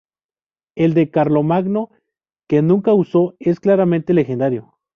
El de Carlomagno, que nunca usó, es claramente legendario.